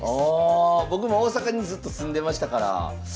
ああ僕も大阪にずっと住んでましたから。